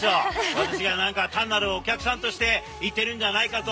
私がなんか単なるお客さんとして行ってるんじゃないかと。